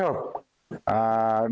kế hoạch kế hoạch